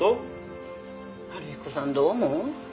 春彦さんどう思う？